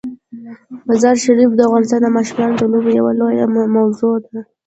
مزارشریف د افغانستان د ماشومانو د لوبو یوه لویه موضوع ده.